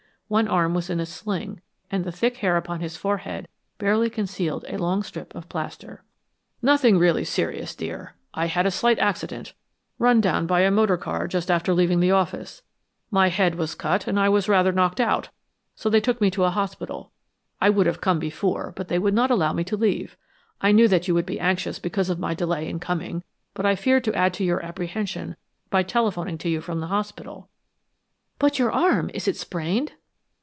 One arm was in a sling and the thick hair upon his forehead barely concealed a long strip of plaster. "Nothing really serious, dear. I had a slight accident run down by a motor car, just after leaving the office. My head was cut and I was rather knocked out, so they took me to a hospital. I would have come before, but they would not allow me to leave. I knew that you would be anxious because of my delay in coming, but I feared to add to your apprehension by telephoning to you from the hospital." "But your arm is it sprained?"